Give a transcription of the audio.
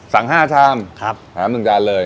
สั่ง๕ชาม๓๑จานเลย